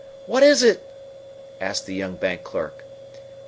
"What is it?" asked the young bank clerk.